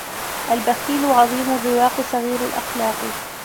البخيل عظيم الرواق صغير الأخلاق